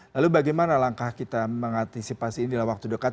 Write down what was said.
lalu bagaimana langkah kita mengantisipasi ini dalam waktu dekat